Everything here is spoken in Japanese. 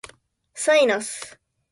サイナス